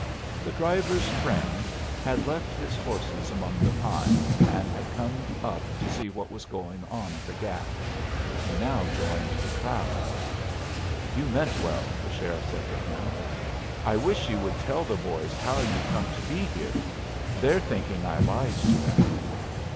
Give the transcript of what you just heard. The driver's friend had left his horses among the pines, and had come up to see what was going on at the Gap. He now joined the crowd. "You meant well," the sheriff said to him. "I wish you would tell the boys how you come to be here. They're thinking I lied to them."